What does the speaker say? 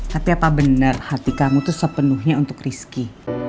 tapi apa bener hati kamu tuh sepenuhnya untuk rizky